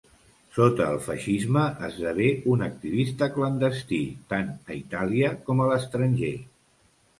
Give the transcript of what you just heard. Sota el feixisme, esdevé un activista clandestí, tant a Itàlia com a l'estranger.